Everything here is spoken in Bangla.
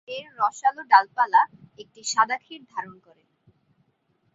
এর রসালো ডালপালা একটি সাদা ক্ষীর ধারণ করে।